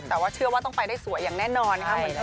แต่ว่าเชื่อว่าต้องไปได้สวยอย่างแน่นอนนะคะ